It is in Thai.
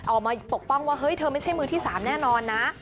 ออกมาปกป้องว่าเฮ้ยเธอไม่ใช่มือที่๓แน่นอนนะ